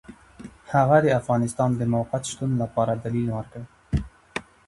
هغه د افغانستان د موقت شتون لپاره دلیل ورکړ.